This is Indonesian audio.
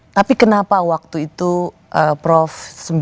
tapi kenapa waktu itu prof sembilan puluh delapan